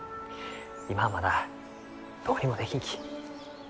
今はまだどうにもできんき。